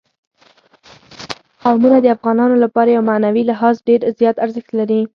قومونه د افغانانو لپاره په معنوي لحاظ ډېر زیات ارزښت لري.